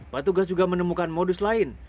petugas juga menemukan modus lain